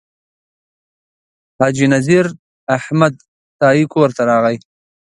حاجي نذیر احمد تائي کور ته راغی.